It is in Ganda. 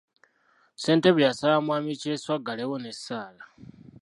Ssentebe yasaba mwami Kyeswa aggalewo n'essaala.